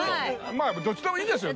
まあどっちでもいいんですよ